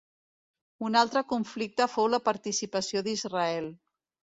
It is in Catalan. Un altre conflicte fou la participació d'Israel.